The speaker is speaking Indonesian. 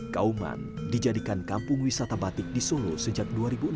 kauman dijadikan kampung wisata batik di solo sejak dua ribu enam